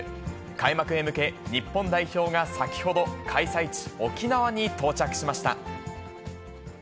開幕へ向け、日本代表が先ほど、開催地、沖縄に到着しました。